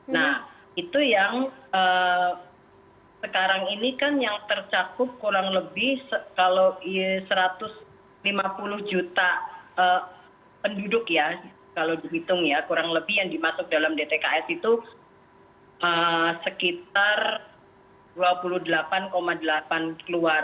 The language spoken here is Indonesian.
nah itu yang sekarang ini kan yang tercakup kurang lebih kalau satu ratus lima puluh juta penduduk ya kalau dihitung ya kurang lebih yang dimasuk dalam dtks itu sekitar dua puluh delapan juta